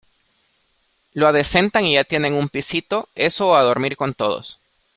lo adecentan y ya tienen un pisito. eso o a dormir con todos .